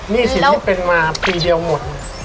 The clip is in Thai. นี่งี้เป็นมาปีเดียวหมด